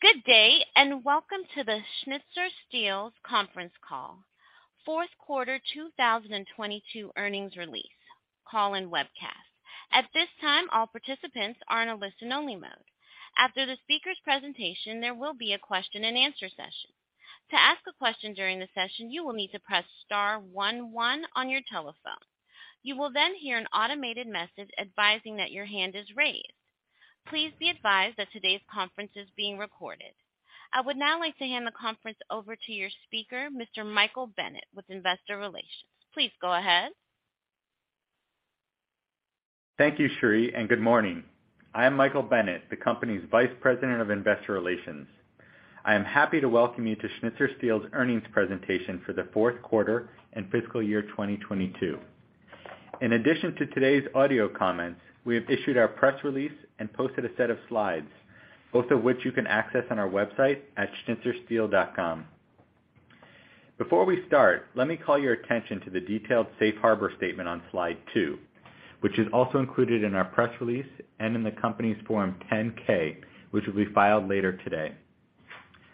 Good day, and welcome to the Schnitzer Steel's conference Call Fourth Quarter 2022 Earnings Release Call and Webcast. At this time, all participants are in a listen-only mode. After the speaker's presentation, there will be a question-and-answer session. To ask a question during the session, you will need to press star one one on your telephone. You will then hear an automated message advising that your hand is raised. Please be advised that today's conference is being recorded. I would now like to hand the conference over to your speaker, Mr. Michael Bennett, with Investor Relations. Please go ahead. Thank you, Cheri, and good morning. I am Michael Bennett, the company's Vice President of Investor Relations. I am happy to welcome you to Schnitzer Steel's earnings presentation for the fourth quarter and fiscal year 2022. In addition to today's audio comments, we have issued our press release and posted a set of slides, both of which you can access on our website at radiusrecycling.com. Before we start, let me call your attention to the detailed safe harbor statement on slide two, which is also included in our press release and in the company's Form 10-K, which will be filed later today.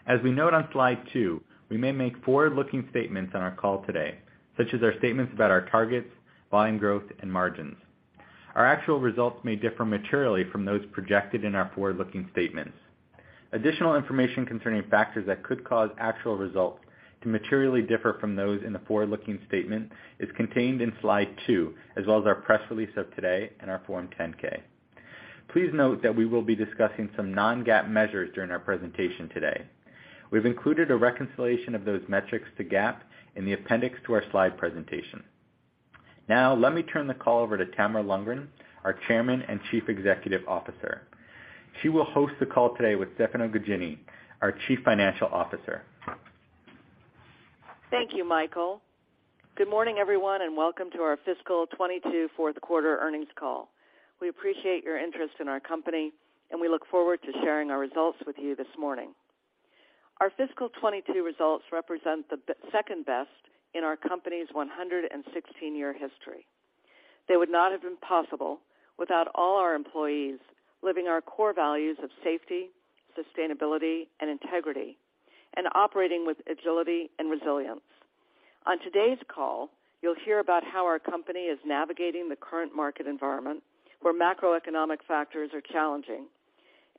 As we note on slide two, we may make forward-looking statements on our call today, such as our statements about our targets, volume growth, and margins. Our actual results may differ materially from those projected in our forward-looking statements. Additional information concerning factors that could cause actual results to materially differ from those in the forward-looking statement is contained in slide two, as well as our press release of today and our Form 10-K. Please note that we will be discussing some non-GAAP measures during our presentation today. We've included a reconciliation of those metrics to GAAP in the appendix to our slide presentation. Now, let me turn the call over to Tamara Lundgren, our Chairman and Chief Executive Officer. She will host the call today with Stefano Gaggini, our Chief Financial Officer. Thank you, Michael. Good morning, everyone, and welcome to our fiscal 2022 fourth quarter earnings call. We appreciate your interest in our company, and we look forward to sharing our results with you this morning. Our fiscal 2022 results represent the second-best in our company's 116-year history. They would not have been possible without all our employees living our core values of safety, sustainability, and integrity and operating with agility and resilience. On today's call, you'll hear about how our company is navigating the current market environment, where macroeconomic factors are challenging,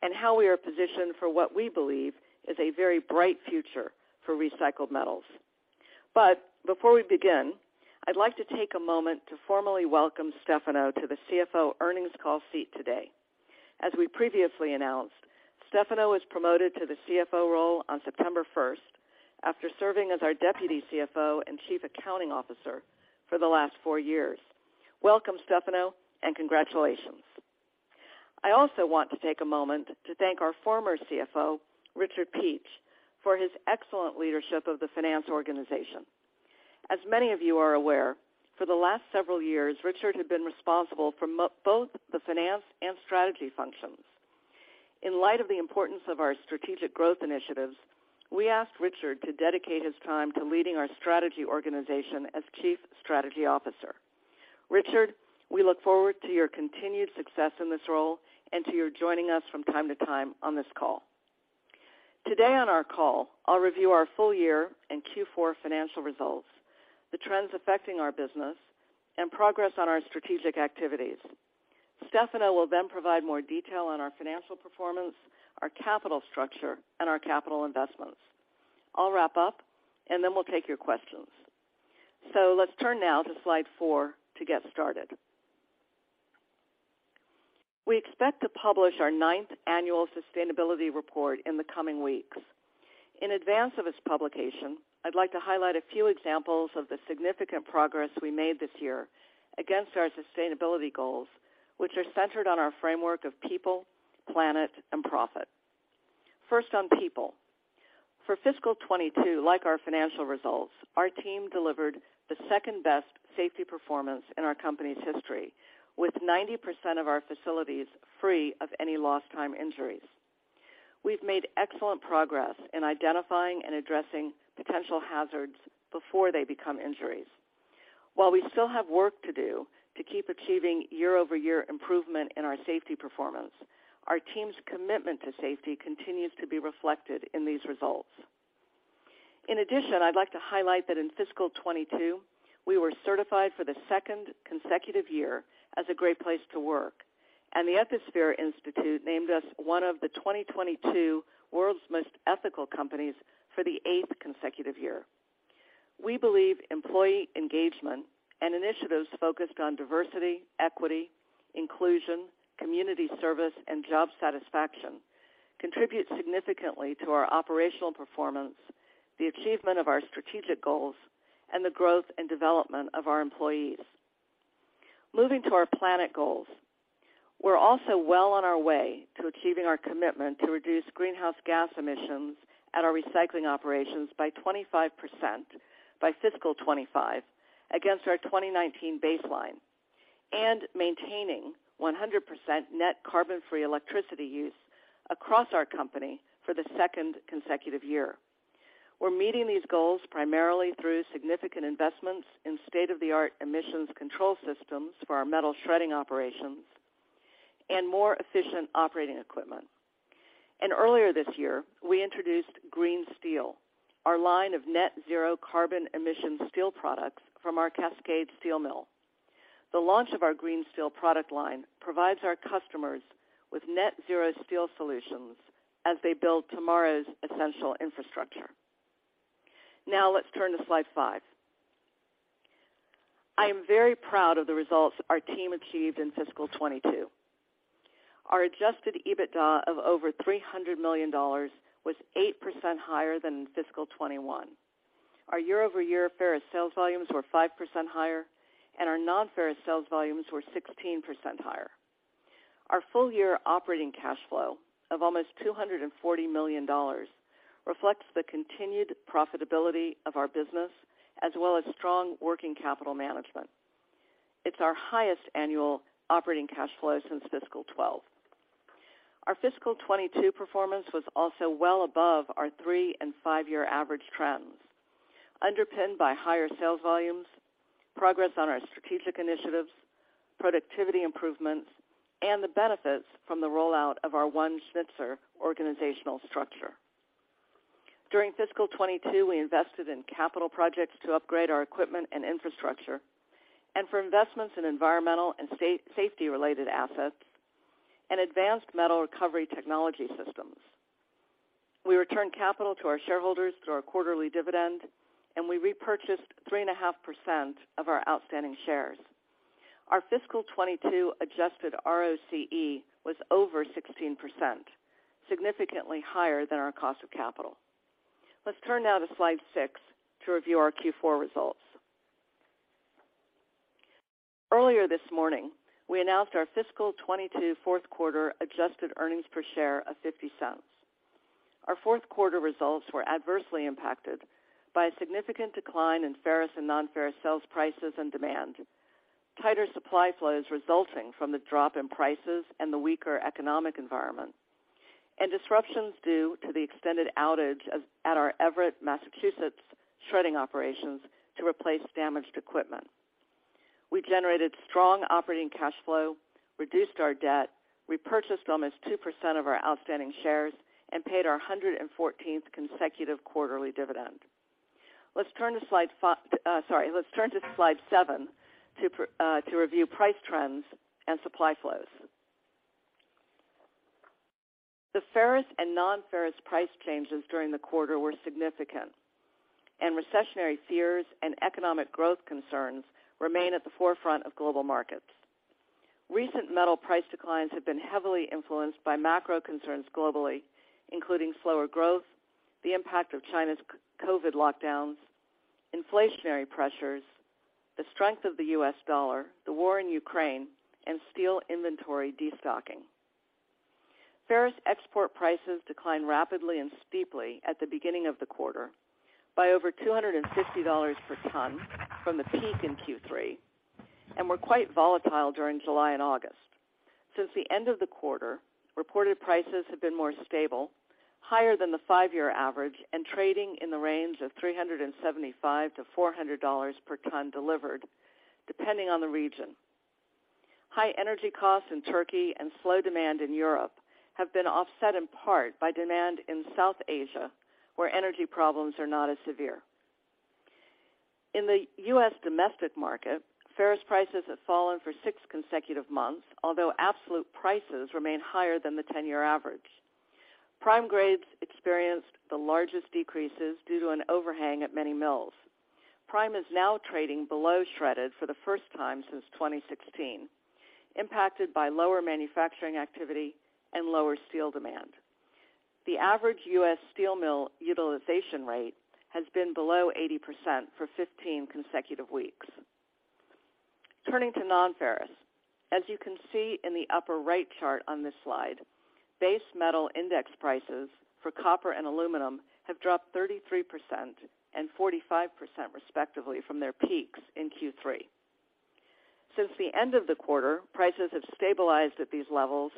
and how we are positioned for what we believe is a very bright future for recycled metals. Before we begin, I'd like to take a moment to formally welcome Stefano to the CFO earnings call seat today. As we previously announced, Stefano was promoted to the CFO role on September first, after serving as our Deputy CFO and Chief Accounting Officer for the last four years. Welcome, Stefano, and congratulations. I also want to take a moment to thank our former CFO, Richard Peach, for his excellent leadership of the finance organization. As many of you are aware, for the last several years, Richard had been responsible for both the finance and strategy functions. In light of the importance of our strategic growth initiatives, we asked Richard to dedicate his time to leading our strategy organization as Chief Strategy Officer. Richard, we look forward to your continued success in this role and to your joining us from time to time on this call. Today on our call, I'll review our full year and Q4 financial results, the trends affecting our business, and progress on our strategic activities. Stefano will then provide more detail on our financial performance, our capital structure, and our capital investments. I'll wrap up, and then we'll take your questions. Let's turn now to slide four to get started. We expect to publish our ninth annual sustainability report in the coming weeks. In advance of its publication, I'd like to highlight a few examples of the significant progress we made this year against our sustainability goals, which are centered on our framework of people, planet, and profit. First, on people. For fiscal 2022, like our financial results, our team delivered the second-best safety performance in our company's history, with 90% of our facilities free of any lost time injuries. We've made excellent progress in identifying and addressing potential hazards before they become injuries. While we still have work to do to keep achieving year-over-year improvement in our safety performance, our team's commitment to safety continues to be reflected in these results. In addition, I'd like to highlight that in fiscal 2022, we were certified for the second consecutive year as a great place to work, and the Ethisphere Institute named us one of the 2022 World's Most Ethical Companies for the eighth consecutive year. We believe employee engagement and initiatives focused on diversity, equity, inclusion, community service, and job satisfaction contribute significantly to our operational performance, the achievement of our strategic goals, and the growth and development of our employees. Moving to our planet goals. We're also well on our way to achieving our commitment to reduce greenhouse gas emissions at our recycling operations by 25% by fiscal 2025 against our 2019 baseline and maintaining 100% net carbon-free electricity use across our company for the second consecutive year. We're meeting these goals primarily through significant investments in state-of-the-art emissions control systems for our metal shredding operations and more efficient operating equipment. Earlier this year, we introduced GRN Steel, our line of net-zero carbon emission steel products from our Cascade Steel mill. The launch of our GRN Steel product line provides our customers with net-zero steel solutions as they build tomorrow's essential infrastructure. Now let's turn to slide five. I am very proud of the results our team achieved in fiscal 2022. Our adjusted EBITDA of over $300 million was 8% higher than in fiscal 2021. Our year-over-year ferrous sales volumes were 5% higher, and our non-ferrous sales volumes were 16% higher. Our full-year operating cash flow of almost $240 million reflects the continued profitability of our business as well as strong working capital management. It's our highest annual operating cash flow since fiscal 2012. Our fiscal 2022 performance was also well above our three- and five-year average trends, underpinned by higher sales volumes, progress on our strategic initiatives, productivity improvements, and the benefits from the rollout of our One Schnitzer organizational structure. During fiscal 2022, we invested in capital projects to upgrade our equipment and infrastructure and for investments in environmental and safety-related assets and advanced metal recovery technology systems. We returned capital to our shareholders through our quarterly dividend, and we repurchased 3.5% of our outstanding shares. Our fiscal 2022 adjusted ROCE was over 16%, significantly higher than our cost of capital. Let's turn now to slide six to review our Q4 results. Earlier this morning, we announced our fiscal 2022 fourth quarter adjusted earnings per share of $0.50. Our fourth quarter results were adversely impacted by a significant decline in ferrous and non-ferrous sales prices and demand, tighter supply flows resulting from the drop in prices and the weaker economic environment, and disruptions due to the extended outage at our Everett, Massachusetts, shredding operations to replace damaged equipment. We generated strong operating cash flow, reduced our debt, repurchased almost 2% of our outstanding shares, and paid our 114th consecutive quarterly dividend. Let's turn to slide seven to review price trends and supply flows. The ferrous and non-ferrous price changes during the quarter were significant, and recessionary fears and economic growth concerns remain at the forefront of global markets. Recent metal price declines have been heavily influenced by macro concerns globally, including slower growth, the impact of China's COVID lockdowns, inflationary pressures, the strength of the U.S. dollar, the war in Ukraine, and steel inventory destocking. Ferrous export prices declined rapidly and steeply at the beginning of the quarter by over $250 per ton from the peak in Q3 and were quite volatile during July and August. Since the end of the quarter, reported prices have been more stable, higher than the five-year average, and trading in the range of $375-$400 per ton delivered, depending on the region. High energy costs in Turkey and slow demand in Europe have been offset in part by demand in South Asia, where energy problems are not as severe. In the U.S. domestic market, ferrous prices have fallen for six consecutive months, although absolute prices remain higher than the 10-year average. Prime grades experienced the largest decreases due to an overhang at many mills. Prime is now trading below shredded for the first time since 2016, impacted by lower manufacturing activity and lower steel demand. The average U.S. steel mill utilization rate has been below 80% for 15 consecutive weeks. Turning to non-ferrous, as you can see in the upper-right chart on this slide, base metal index prices for copper and aluminum have dropped 33% and 45%, respectively, from their peaks in Q3. Since the end of the quarter, prices have stabilized at these levels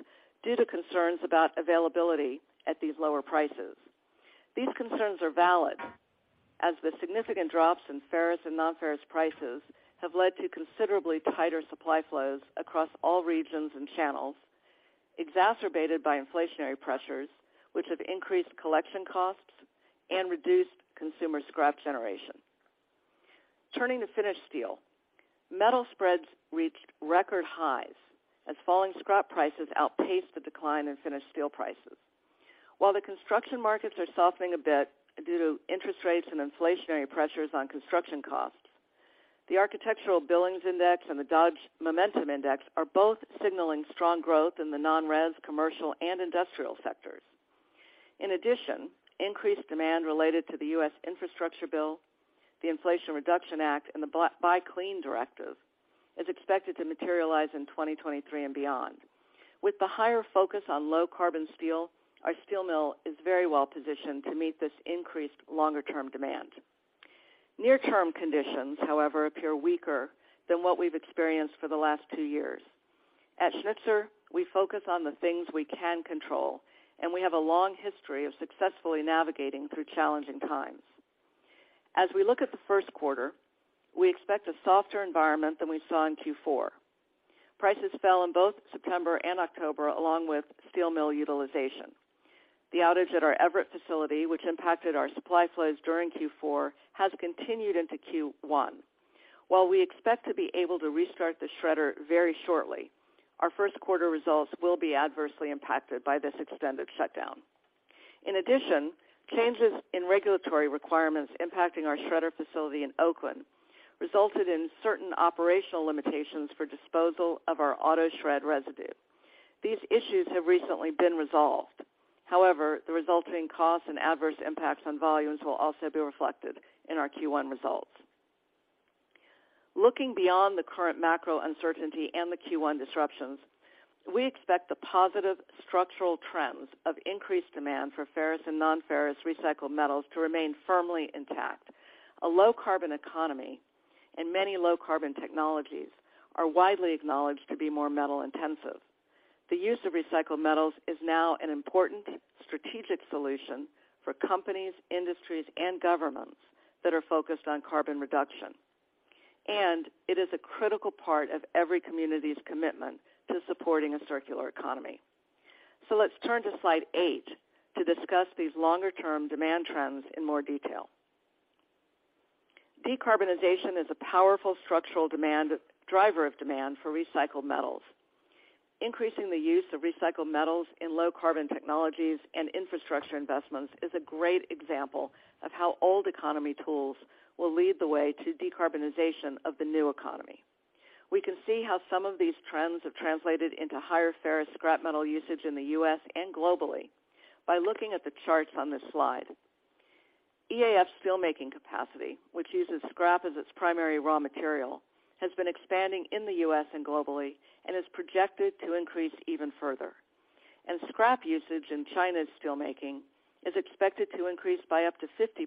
due to concerns about availability at these lower prices. These concerns are valid, as the significant drops in ferrous and non-ferrous prices have led to considerably tighter supply flows across all regions and channels, exacerbated by inflationary pressures, which have increased collection costs and reduced consumer scrap generation. Turning to finished steel, metal spreads reached record highs as falling scrap prices outpaced the decline in finished steel prices. While the construction markets are softening a bit due to interest rates and inflationary pressures on construction costs, the Architecture Billings Index and the Dodge Momentum Index are both signaling strong growth in the non-res, commercial, and industrial sectors. In addition, increased demand related to the U.S. infrastructure bill, the Inflation Reduction Act, and the Buy Clean directive is expected to materialize in 2023 and beyond. With the higher focus on low-carbon steel, our steel mill is very well positioned to meet this increased longer-term demand. Near-term conditions, however, appear weaker than what we've experienced for the last two years. At Schnitzer, we focus on the things we can control, and we have a long history of successfully navigating through challenging times. As we look at the first quarter, we expect a softer environment than we saw in Q4. Prices fell in both September and October, along with steel mill utilization. The outage at our Everett facility, which impacted our supply flows during Q4, has continued into Q1. While we expect to be able to restart the shredder very shortly, our first quarter results will be adversely impacted by this extended shutdown. In addition, changes in regulatory requirements impacting our shredder facility in Oakland resulted in certain operational limitations for disposal of our auto shred residue. These issues have recently been resolved. However, the resulting costs and adverse impacts on volumes will also be reflected in our Q1 results. Looking beyond the current macro uncertainty and the Q1 disruptions, we expect the positive structural trends of increased demand for ferrous and non-ferrous recycled metals to remain firmly intact. A low carbon economy and many low carbon technologies are widely acknowledged to be more metal intensive. The use of recycled metals is now an important strategic solution for companies, industries, and governments that are focused on carbon reduction. It is a critical part of every community's commitment to supporting a circular economy. Let's turn to slide eight to discuss these longer term demand trends in more detail. Decarbonization is a powerful structural demand driver of demand for recycled metals. Increasing the use of recycled metals in low carbon technologies and infrastructure investments is a great example of how old economy tools will lead the way to decarbonization of the new economy. We can see how some of these trends have translated into higher ferrous scrap metal usage in the U.S. and globally by looking at the charts on this slide. EAF's steel making capacity, which uses scrap as its primary raw material, has been expanding in the U.S. and globally, and is projected to increase even further. Scrap usage in China's steel making is expected to increase by up to 50%,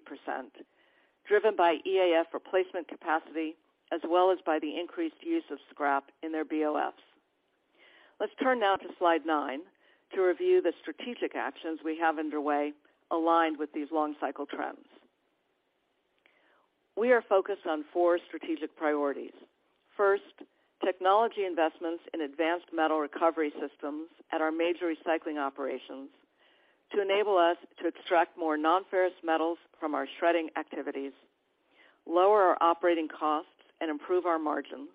driven by EAF replacement capacity, as well as by the increased use of scrap in their BOFs. Let's turn now to slide nine to review the strategic actions we have underway aligned with these long cycle trends. We are focused on four strategic priorities. First, technology investments in advanced metal recovery systems at our major recycling operations to enable us to extract more non-ferrous metals from our shredding activities, lower our operating costs and improve our margins,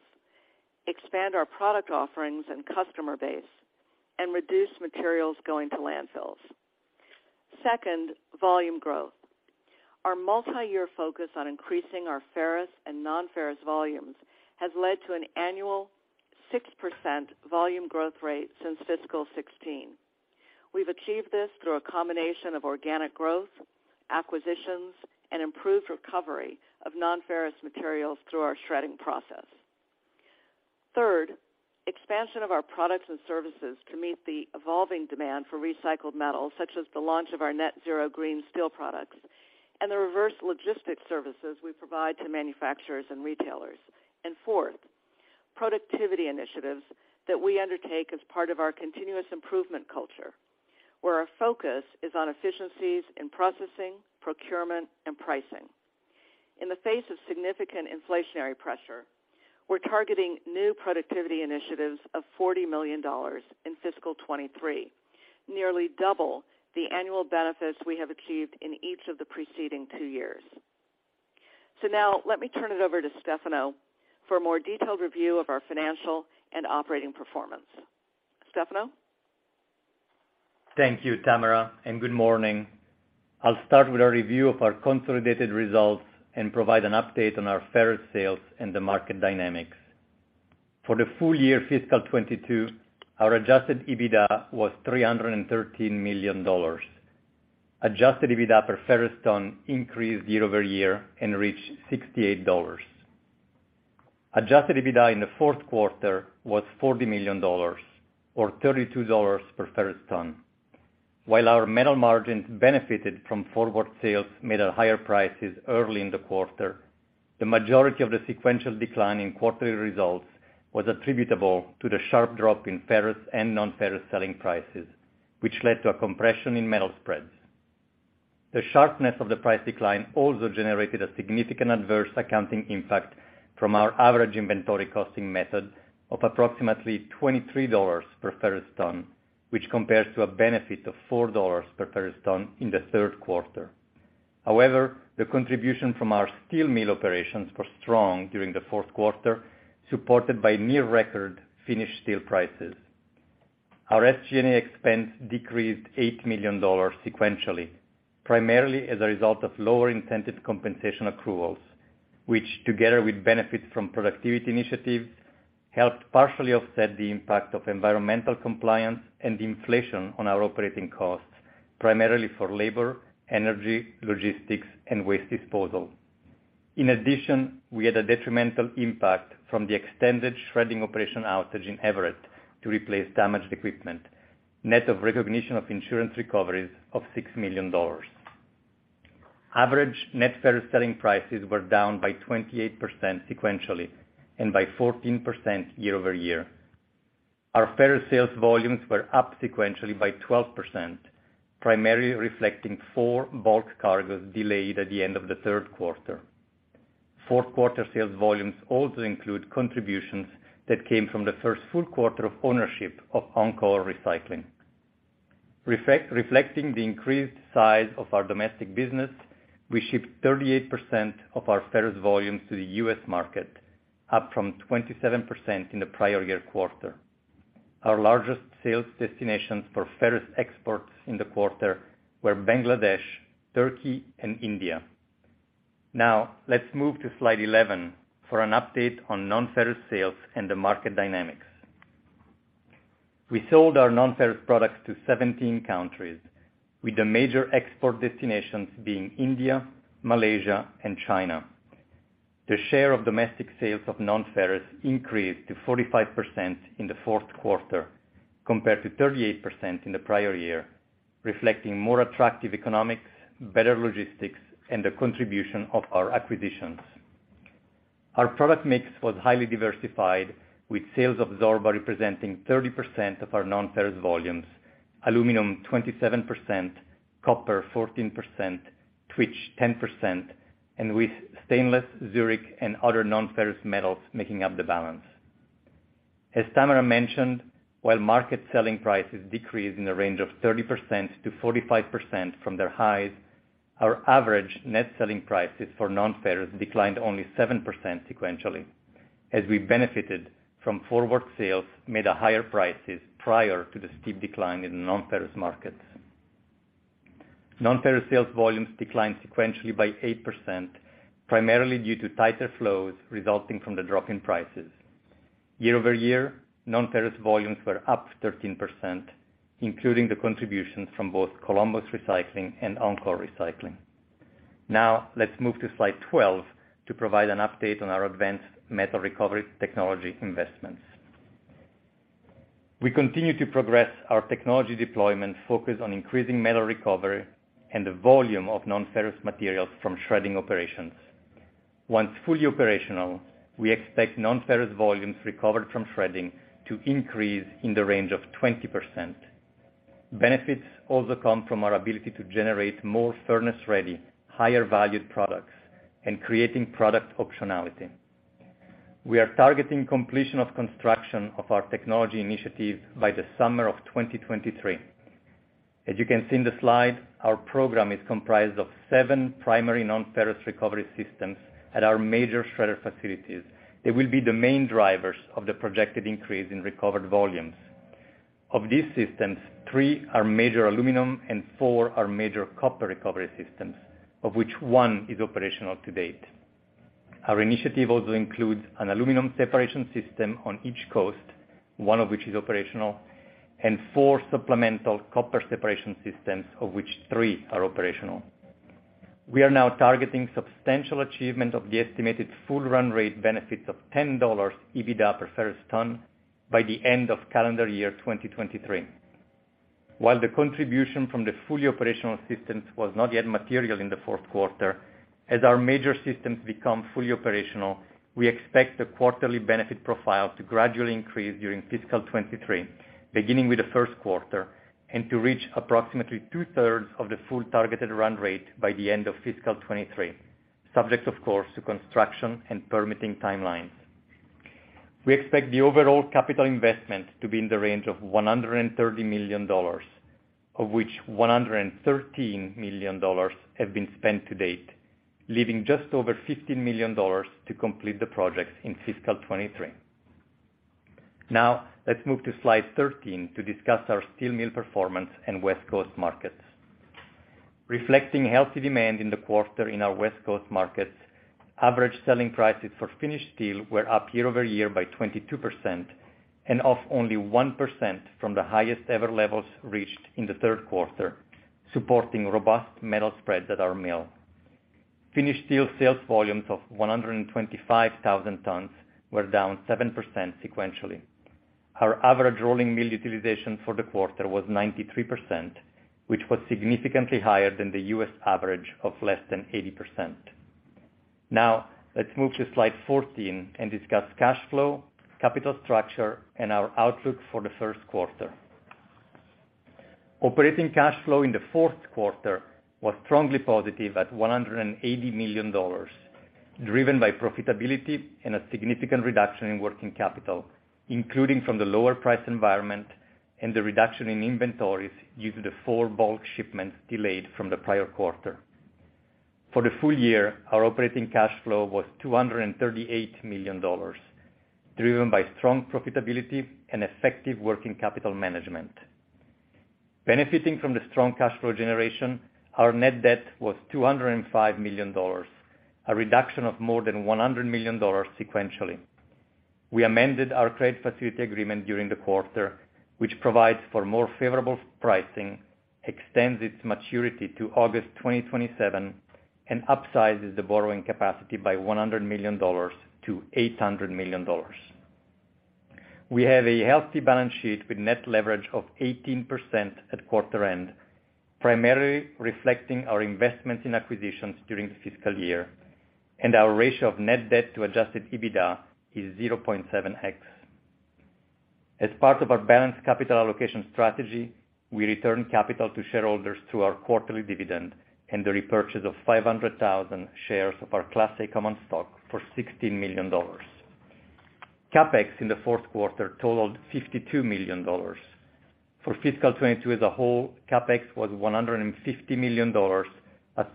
expand our product offerings and customer base, and reduce materials going to landfills. Second, volume growth. Our multi-year focus on increasing our ferrous and non-ferrous volumes has led to an annual 6% volume growth rate since fiscal 2016. We've achieved this through a combination of organic growth, acquisitions, and improved recovery of non-ferrous materials through our shredding process. Third, expansion of our products and services to meet the evolving demand for recycled metals, such as the launch of our net zero green steel products and the reverse logistics services we provide to manufacturers and retailers. Fourth, productivity initiatives that we undertake as part of our continuous improvement culture, where our focus is on efficiencies in processing, procurement, and pricing. In the face of significant inflationary pressure, we're targeting new productivity initiatives of $40 million in fiscal 2023, nearly double the annual benefits we have achieved in each of the preceding two years. Now let me turn it over to Stefano for a more detailed review of our financial and operating performance. Stefano? Thank you, Tamara, and good morning. I'll start with a review of our consolidated results and provide an update on our ferrous sales and the market dynamics. For the full year fiscal 2022, our adjusted EBITDA was $313 million. Adjusted EBITDA per ferrous ton increased year-over-year and reached $68. Adjusted EBITDA in the fourth quarter was $40 million or $32 per ferrous ton. While our metal margins benefited from forward sales made at higher prices early in the quarter, the majority of the sequential decline in quarterly results was attributable to the sharp drop in ferrous and non-ferrous selling prices, which led to a compression in metal spreads. The sharpness of the price decline also generated a significant adverse accounting impact from our average inventory costing method of approximately $23 per ferrous ton, which compares to a benefit of $4 per ferrous ton in the third quarter. However, the contribution from our steel mill operations was strong during the fourth quarter, supported by near record finished steel prices. Our SG&A expense decreased $8 million sequentially, primarily as a result of lower incentive compensation accruals, which together with benefits from productivity initiatives, helped partially offset the impact of environmental compliance and inflation on our operating costs, primarily for labor, energy, logistics, and waste disposal. In addition, we had a detrimental impact from the extended shredding operation outage in Everett to replace damaged equipment. Net of recognition of insurance recoveries of $6 million. Average net ferrous selling prices were down by 28% sequentially and by 14% year-over-year. Our ferrous sales volumes were up sequentially by 12%, primarily reflecting four bulk cargos delayed at the end of the third quarter. Fourth quarter sales volumes also include contributions that came from the first full quarter of ownership of Encore Recycling. Reflecting the increased size of our domestic business, we shipped 38% of our ferrous volumes to the U.S. market, up from 27% in the prior year quarter. Our largest sales destinations for ferrous exports in the quarter were Bangladesh, Turkey, and India. Now let's move to slide 11 for an update on non-ferrous sales and the market dynamics. We sold our non-ferrous products to 17 countries, with the major export destinations being India, Malaysia, and China. The share of domestic sales of non-ferrous increased to 45% in the fourth quarter compared to 38% in the prior year, reflecting more attractive economics, better logistics, and the contribution of our acquisitions. Our product mix was highly diversified, with sales of Zorba representing 30% of our non-ferrous volumes. Aluminum 27%, copper 14%, Twitch 10%, and with stainless, Zurik, and other non-ferrous metals making up the balance. As Tamara mentioned, while market selling prices decreased in the range of 30%-45% from their highs, our average net selling prices for non-ferrous declined only 7% sequentially, as we benefited from forward sales made at higher prices prior to the steep decline in the non-ferrous markets. Non-ferrous sales volumes declined sequentially by 8%, primarily due to tighter flows resulting from the drop in prices. Year-over-year, non-ferrous volumes were up 13%, including the contributions from both Columbus Recycling and Encore Recycling. Now let's move to slide 12 to provide an update on our advanced metal recovery technology investments. We continue to progress our technology deployment focus on increasing metal recovery and the volume of non-ferrous materials from shredding operations. Once fully operational, we expect non-ferrous volumes recovered from shredding to increase in the range of 20%. Benefits also come from our ability to generate more furnace-ready, higher valued products and creating product optionality. We are targeting completion of construction of our technology initiative by the summer of 2023. As you can see in the slide, our program is comprised of seven primary non-ferrous recovery systems at our major shredder facilities. They will be the main drivers of the projected increase in recovered volumes. Of these systems, three are major aluminum and four are major copper recovery systems, of which one is operational to date. Our initiative also includes an aluminum separation system on each coast, one of which is operational, and four supplemental copper separation systems, of which three are operational. We are now targeting substantial achievement of the estimated full run rate benefits of $10 EBITDA per ferrous ton by the end of calendar year 2023. While the contribution from the fully operational systems was not yet material in the fourth quarter, as our major systems become fully operational, we expect the quarterly benefit profile to gradually increase during fiscal 2023, beginning with the first quarter, and to reach approximately 2/3 of the full targeted run rate by the end of fiscal 2023. Subject, of course, to construction and permitting timelines. We expect the overall capital investment to be in the range of $130 million, of which $113 million have been spent to date, leaving just over $15 million to complete the projects in fiscal 2023. Now, let's move to slide 13 to discuss our steel mill performance in West Coast markets. Reflecting healthy demand in the quarter in our West Coast markets, average selling prices for finished steel were up year-over-year by 22% and off only 1% from the highest ever levels reached in the third quarter, supporting robust metal spreads at our mill. Finished steel sales volumes of 125,000 tons were down 7% sequentially. Our average rolling mill utilization for the quarter was 93%, which was significantly higher than the U.S. average of less than 80%. Now, let's move to slide 14 and discuss cash flow, capital structure, and our outlook for the first quarter. Operating cash flow in the fourth quarter was strongly positive at $180 million, driven by profitability and a significant reduction in working capital, including from the lower price environment and the reduction in inventories due to the four bulk shipments delayed from the prior quarter. For the full year, our operating cash flow was $238 million, driven by strong profitability and effective working capital management. Benefiting from the strong cash flow generation, our net debt was $205 million, a reduction of more than $100 million sequentially. We amended our trade facility agreement during the quarter, which provides for more favorable pricing, extends its maturity to August 2027, and upsizes the borrowing capacity by $100 million to $800 million. We have a healthy balance sheet with net leverage of 18% at quarter end, primarily reflecting our investment in acquisitions during the fiscal year, and our ratio of net debt to adjusted EBITDA is 0.7x. As part of our balanced capital allocation strategy, we return capital to shareholders through our quarterly dividend and the repurchase of 500,000 shares of our class A common stock for $60 million. CapEx in the fourth quarter totaled $52 million. For fiscal 2022 as a whole, CapEx was $150 million, a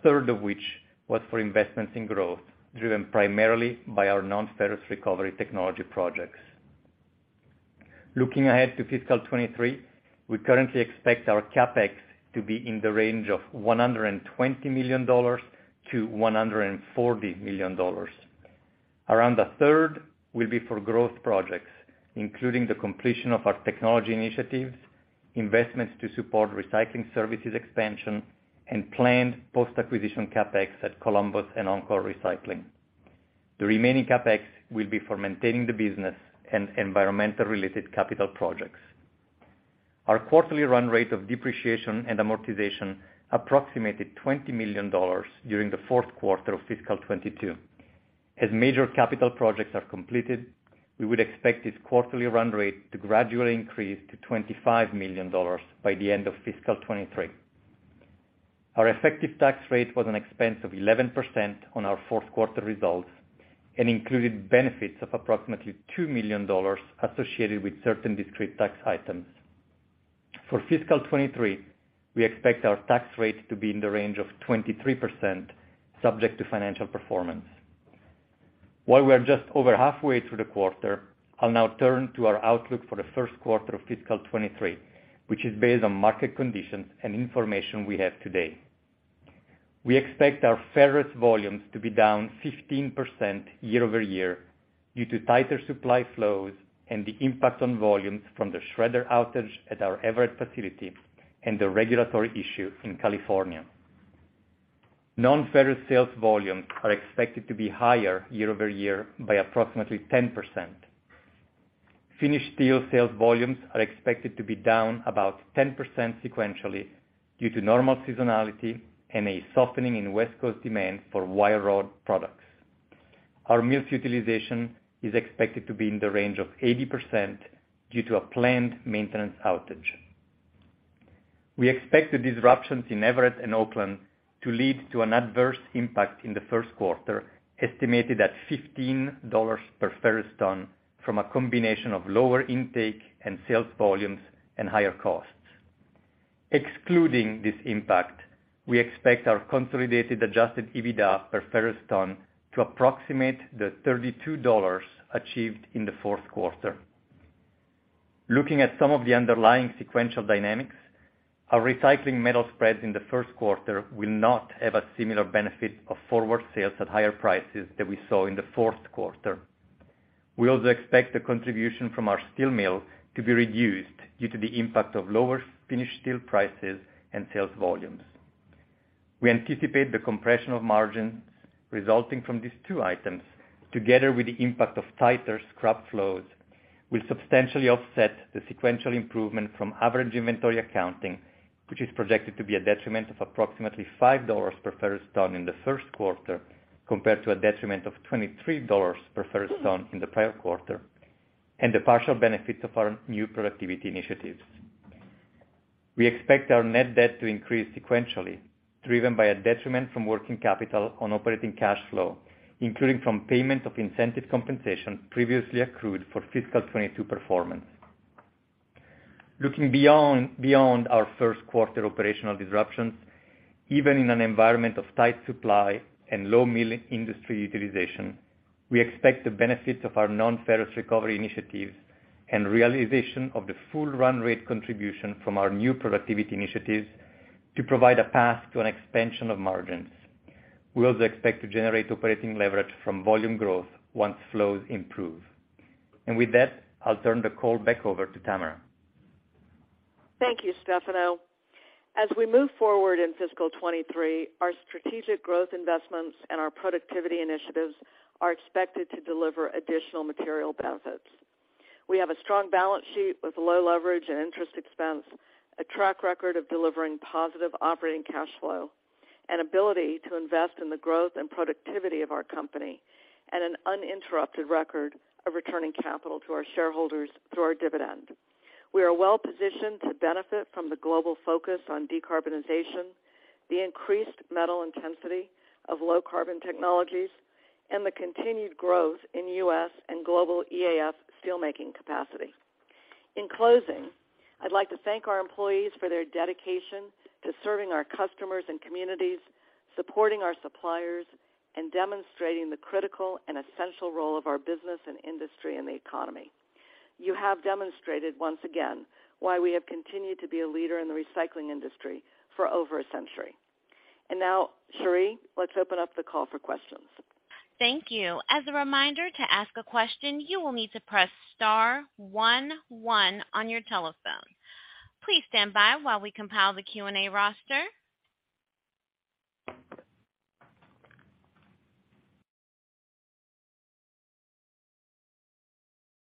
third of which was for investments in growth, driven primarily by our non-ferrous recovery technology projects. Looking ahead to fiscal 2023, we currently expect our CapEx to be in the range of $120 million-$140 million. Around 1/3 will be for growth projects, including the completion of our technology initiatives, investments to support recycling services expansion, and planned post-acquisition CapEx at Columbus Recycling and Encore Recycling. The remaining CapEx will be for maintaining the business and environmental-related capital projects. Our quarterly run rate of depreciation and amortization approximated $20 million during the fourth quarter of fiscal 2022. As major capital projects are completed, we would expect this quarterly run rate to gradually increase to $25 million by the end of fiscal 2023. Our effective tax rate was an expense of 11% on our fourth quarter results and included benefits of approximately $2 million associated with certain discrete tax items. For fiscal 2023, we expect our tax rate to be in the range of 23% subject to financial performance. While we are just over halfway through the quarter, I'll now turn to our outlook for the first quarter of fiscal 2023, which is based on market conditions and information we have today. We expect our ferrous volumes to be down 15% year-over-year due to tighter supply flows and the impact on volumes from the shredder outage at our Everett facility and the regulatory issue in California. Non-ferrous sales volumes are expected to be higher year-over-year by approximately 10%. Finished steel sales volumes are expected to be down about 10% sequentially due to normal seasonality and a softening in West Coast demand for wire rod products. Our mill's utilization is expected to be in the range of 80% due to a planned maintenance outage. We expect the disruptions in Everett and Oakland to lead to an adverse impact in the first quarter, estimated at $15 per ferrous ton from a combination of lower intake and sales volumes and higher costs. Excluding this impact, we expect our consolidated adjusted EBITDA per ferrous ton to approximate the $32 achieved in the fourth quarter. Looking at some of the underlying sequential dynamics, our recycling metal spreads in the first quarter will not have a similar benefit of forward sales at higher prices that we saw in the fourth quarter. We also expect the contribution from our steel mill to be reduced due to the impact of lower finished steel prices and sales volumes. We anticipate the compression of margins resulting from these two items together with the impact of tighter scrap flows will substantially offset the sequential improvement from average inventory accounting, which is projected to be a detriment of approximately $5 per ferrous ton in the first quarter compared to a detriment of $23 per ferrous ton in the prior quarter, and the partial benefit of our new productivity initiatives. We expect our net debt to increase sequentially, driven by a detriment from working capital on operating cash flow, including from payment of incentive compensation previously accrued for fiscal 2022 performance. Looking beyond our first quarter operational disruptions, even in an environment of tight supply and low mill industry utilization, we expect the benefits of our non-ferrous recovery initiatives and realization of the full run rate contribution from our new productivity initiatives to provide a path to an expansion of margins. We also expect to generate operating leverage from volume growth once flows improve. With that, I'll turn the call back over to Tamara. Thank you, Stefano. As we move forward in fiscal 2023, our strategic growth investments and our productivity initiatives are expected to deliver additional material benefits. We have a strong balance sheet with low leverage and interest expense, a track record of delivering positive operating cash flow, an ability to invest in the growth and productivity of our company, and an uninterrupted record of returning capital to our shareholders through our dividend. We are well-positioned to benefit from the global focus on decarbonization, the increased metal intensity of low carbon technologies, and the continued growth in U.S. and global EAF steelmaking capacity. In closing, I'd like to thank our employees for their dedication to serving our customers and communities, supporting our suppliers, and demonstrating the critical and essential role of our business and industry in the economy. You have demonstrated once again why we have continued to be a leader in the recycling industry for over a century. Now, Cheri, let's open up the call for questions. Thank you. As a reminder, to ask a question, you will need to press star one one on your telephone. Please stand by while we compile the Q&A roster.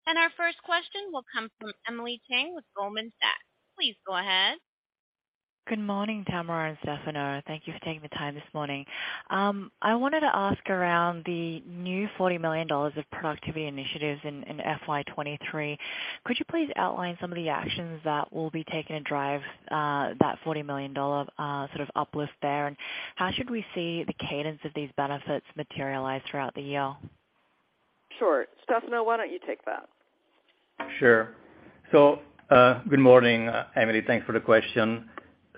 Our first question will come from Emily Chieng with Goldman Sachs. Please go ahead. Good morning, Tamara and Stefano. Thank you for taking the time this morning. I wanted to ask about the new $40 million of productivity initiatives in FY 2023. Could you please outline some of the actions that will be taken to drive that $40 million sort of uplift there? How should we see the cadence of these benefits materialize throughout the year? Sure. Stefano, why don't you take that? Good morning, Emily. Thanks for the question.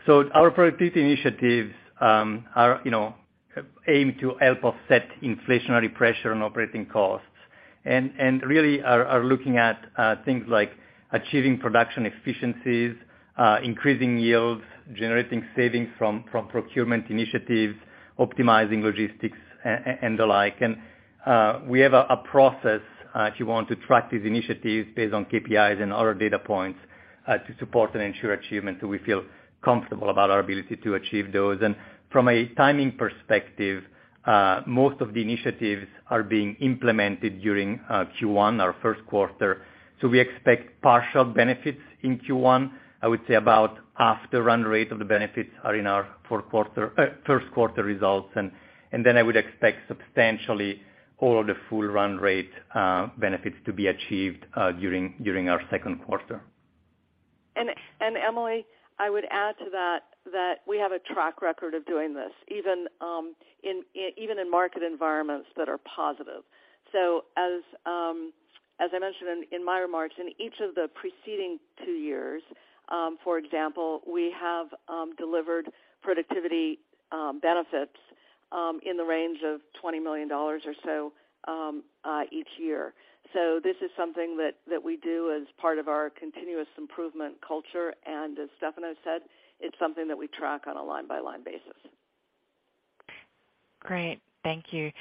Our productivity initiatives are, you know, aim to help offset inflationary pressure on operating costs. Really are looking at things like achieving production efficiencies, increasing yields, generating savings from procurement initiatives, optimizing logistics, and the like. We have a process if you want to track these initiatives based on KPIs and other data points to support and ensure achievement, so we feel comfortable about our ability to achieve those. From a timing perspective, most of the initiatives are being implemented during Q1, our first quarter. We expect partial benefits in Q1. I would say about half the run rate of the benefits are in our first quarter results. Then I would expect substantially all of the full run rate benefits to be achieved during our second quarter. Emily, I would add to that we have a track record of doing this even in market environments that are positive. As I mentioned in my remarks, in each of the preceding two years, for example, we have delivered productivity benefits in the range of $20 million or so each year. This is something that we do as part of our continuous improvement culture, and as Stefano said, it's something that we track on a line-by-line basis. Great. Thank you.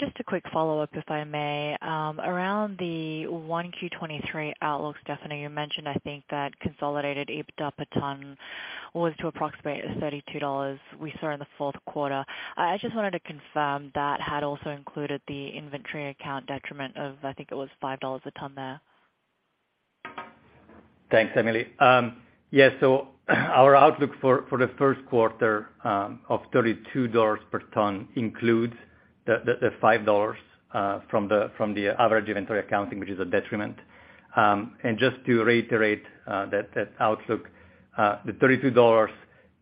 Just a quick follow-up, if I may. Around the Q1 2023 outlook, Stefano, you mentioned I think that consolidated EBITDA per ton was to approximate the $32 we saw in the fourth quarter. I just wanted to confirm that had also included the inventory accounting detriment of, I think it was $5 a ton there. Thanks, Emily. Our outlook for the first quarter of $32 per ton includes the $5 from the average inventory accounting, which is a detriment. Just to reiterate, that outlook, the $32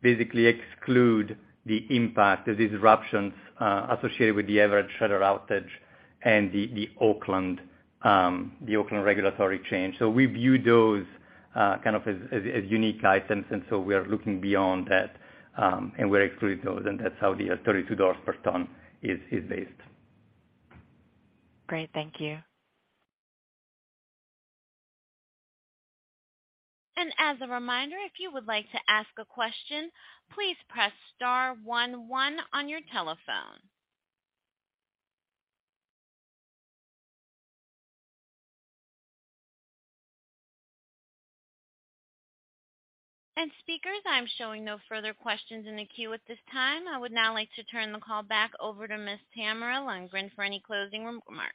basically exclude the impact of the disruptions associated with the Everett shredder outage and the Oakland regulatory change. We view those kind of as unique items, and we are looking beyond that, and we're excluding those, and that's how the $32 per ton is based. Great. Thank you. As a reminder, if you would like to ask a question, please press star one one on your telephone. Speakers, I'm showing no further questions in the queue at this time. I would now like to turn the call back over to Ms. Tamara Lundgren for any closing remarks.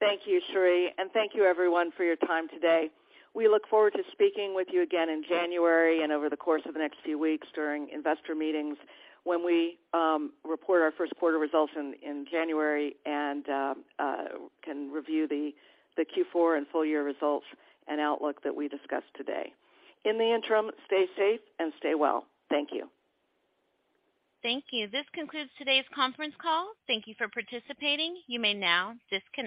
Thank you, Cheri, and thank you everyone for your time today. We look forward to speaking with you again in January and over the course of the next few weeks during investor meetings when we report our first quarter results in January and can review the Q4 and full year results and outlook that we discussed today. In the interim, stay safe and stay well. Thank you. Thank you. This concludes today's conference call. Thank you for participating. You may now disconnect.